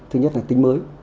thứ nhất là tính mới